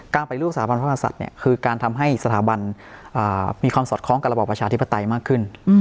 ไปร่วมสถาบันพระมหาศัตริย์คือการทำให้สถาบันมีความสอดคล้องกับระบอบประชาธิปไตยมากขึ้น